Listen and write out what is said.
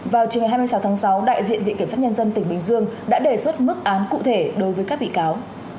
vào chiều ngày hai mươi sáu tháng sáu đại diện viện kiểm sát nhân dân tỉnh bình dương đã đề xuất mức án cụ thể đối với các bị cáo